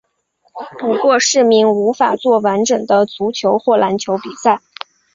不过市民无法作完整的足球或篮球比赛。